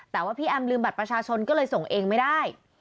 แต่ว่าพี่แอมลืมบัตรประชาชนก็เลยส่งเองไม่ได้